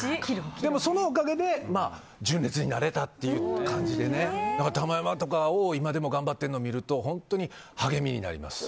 でも、そのおかげで純烈になれたという感じで玉山とか今でも頑張ってるのを見ると本当に励みになります。